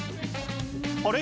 あれ？